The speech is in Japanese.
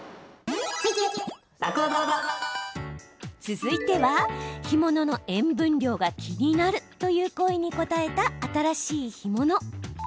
続いては、干物の塩分量が気になるという声に応えた新しい干物。